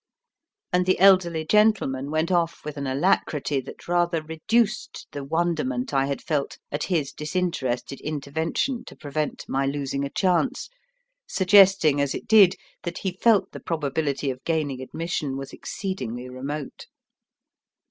and the elderly gentleman went off with an alacrity that rather reduced the wonderment I had felt at his disinterested intervention to prevent my losing a chance, suggesting, as it did, that he felt the probability of gaining admission was exceedingly remote.